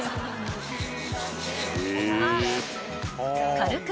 ［軽く］